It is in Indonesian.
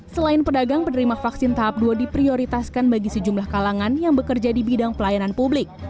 selain pedagang penerima vaksin tahap dua diprioritaskan bagi sejumlah kalangan yang bekerja di bidang pelayanan publik